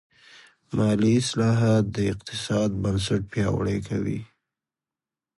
مالي اصلاحات د اقتصاد بنسټ پیاوړی کوي.